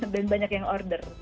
dan banyak yang order